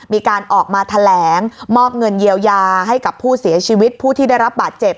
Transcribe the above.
มีการออกมาแถลงมอบเงินเยียวยาให้กับผู้เสียชีวิตผู้ที่ได้รับบาดเจ็บ